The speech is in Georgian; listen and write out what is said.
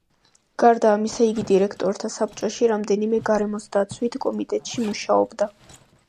გარდა ამისა იგი დირექტორთა საბჭოში რამდენიმე გარემოსდაცვით კომიტეტში მუშაობდა.